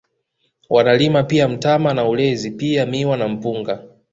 Wanalima pia mtama na ulezi pia miwa na Mpunga